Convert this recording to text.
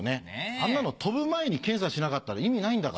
あんなの飛ぶ前に検査しなかったら意味ないんだから。